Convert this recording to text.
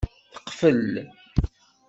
Teqfel.